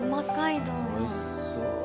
おいしそう。